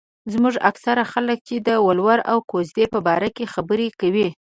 زموږ اکثره خلک چې د ولور او کوژدو په باره کې خبره کوي.